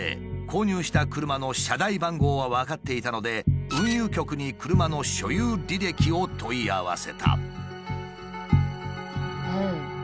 購入した車の車台番号は分かっていたので運輸局に車の所有履歴を問い合わせた。